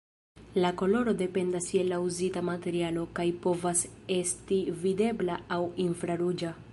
La koloro dependas je la uzita materialo, kaj povas esti videbla aŭ infraruĝa.